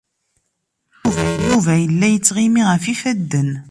Yuba yella yettɣimi ɣef yifadden.